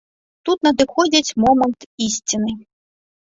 Тут надыходзіць момант ісціны.